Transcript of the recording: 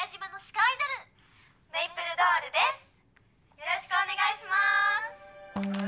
「よろしくお願いします」